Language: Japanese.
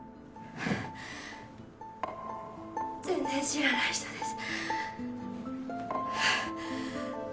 全然知らない人です。